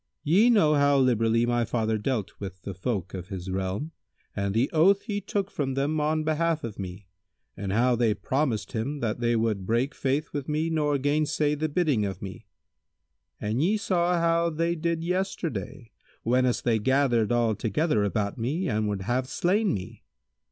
Ye know how liberally my father dealt with the folk of his realm and the oath he took from them on behalf of me and how they promised him that they would break faith with me nor gainsay the bidding of me; and ye saw how they did yesterday, whenas they gathered all together about me and would have slain me.